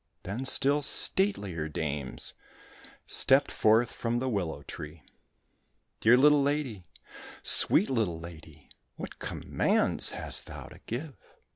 " Then still statelier dames stepped forth from the willow tree, '' Dear little lady, sweet little lady, what com mands hast thou to give